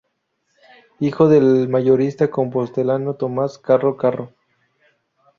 Hijo del mayorista compostelano Tomás Carro Carro.